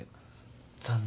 残念。